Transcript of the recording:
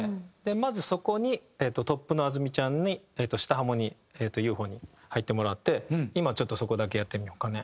まずそこにトップのあず美ちゃんに下ハモに悠歩に入ってもらって今ちょっとそこだけやってみようかね。